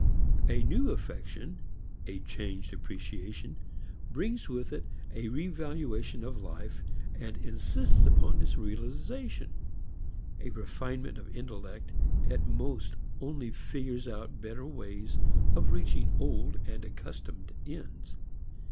A new affection, a changed appreciation, brings with it a revaluation of life and insists upon its realization. A refinement of intellect at most only figures out better ways of reaching old and accustomed ends.